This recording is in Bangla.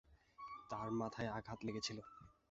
তার মাথায় আঘাত লেগেছিল।